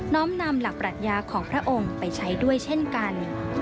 ้อมนำหลักปรัชญาของพระองค์ไปใช้ด้วยเช่นกัน